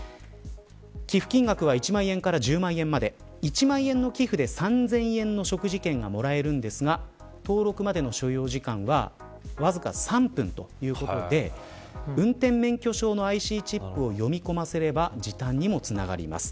寄付金額は１万円から１０万円まで１万円の寄付で３０００円の食事券がもらえるんですが登録までの所要時間はわずか３分ということで運転免許証のＩＣチップを読み込ませれば時短にもつながります。